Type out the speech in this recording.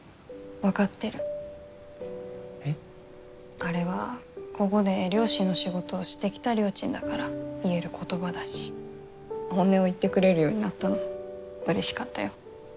あれはここで漁師の仕事をしてきたりょーちんだから言える言葉だし本音を言ってくれるようになったのもうれしかったよ。